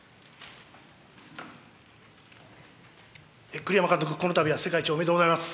栗山監督、このたびは世界一おめでとうございます。